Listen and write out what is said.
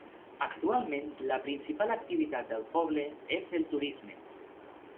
Actualment, la principal activitat del poble és el turisme.